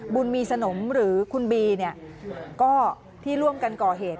บุญมีสนมหรือคุณบีก็ที่ร่วมกันก่อเหตุ